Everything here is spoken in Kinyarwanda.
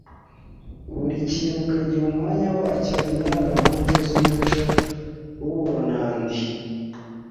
buri kintu ukagiha umwanya wacyo. Indangamanota z’umuco w’u Burunndi